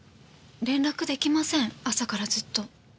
連絡出来ません朝からずっと。